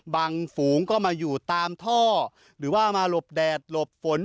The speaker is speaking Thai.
ฝูงก็มาอยู่ตามท่อหรือว่ามาหลบแดดหลบฝน